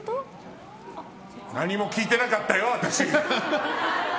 何も聞いてなかったよ、あたし。